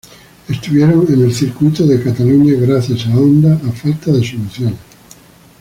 Estuvieron en el Circuit de Catalunya gracias a Honda a falta de soluciones.